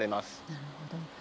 なるほど。